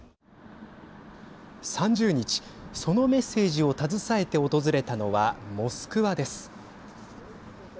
３０日、そのメッセージを携えて訪れたのはモスクワです。